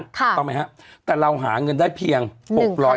ล้านต้องมั้ยครับแต่เราหาเงินได้เพียง๖๐๐ล้าน